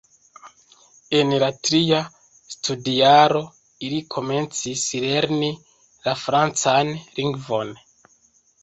En la tria studjaro ili komencis lerni la francan lingvon.